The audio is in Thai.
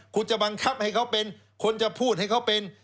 คุณจะบังคับให้เขาเป็นคนจะพูดให้เขาเป็น